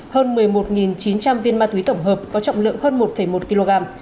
hơn một mươi một chín trăm linh viên ma túy tổng hợp có trọng lượng hơn một một kg